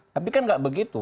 tapi kan nggak begitu